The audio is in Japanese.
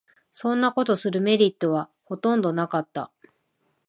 そんなことするメリットはほとんどなかった